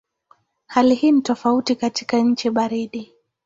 Hali hii ni tofauti katika nchi baridi.